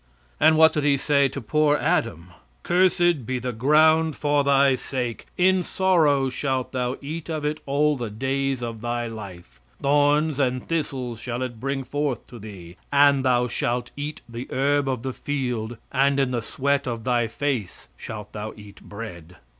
And what did He say to poor Adam? "Cursed be the ground for thy sake; in sorrow shalt thou eat of it all the days of thy life; thorns and thistles shall it bring forth to thee; and thou shalt eat the herb of the field, and in the sweat of thy face shalt thou eat bread."